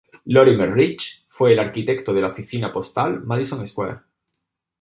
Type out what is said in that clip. Lorimer Rich fue el arquitecto de la Oficina Postal Madison Square.